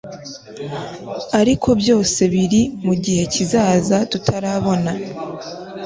ariko byose biri mugihe kizaza tutarabona